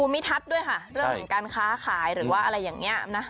มิทัศน์ด้วยค่ะเรื่องของการค้าขายหรือว่าอะไรอย่างนี้นะ